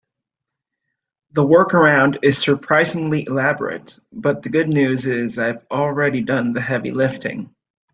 The workaround is surprisingly elaborate, but the good news is I've already done the heavy lifting.